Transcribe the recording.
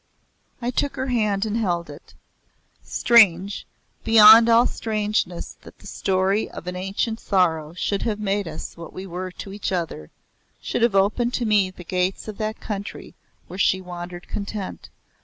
I took her hand and held it. Strange beyond all strangeness that that story of an ancient sorrow should have made us what we were to each other should have opened to me the gates of that Country where she wandered content.